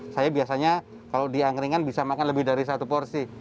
saya biasanya kalau di angkringan bisa makan lebih dari satu porsi